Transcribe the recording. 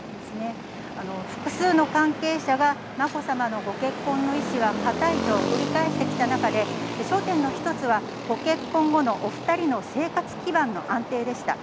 複数の関係者が、まこさまのご結婚の意志は固いと繰り返してきた中で、焦点の一つはご結婚後のお２人の生活基盤の安定でした。